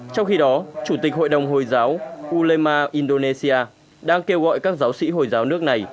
trong khi đó chủ tịch hội đồng hồi giáo pulema indonesia đang kêu gọi các giáo sĩ hồi giáo nước này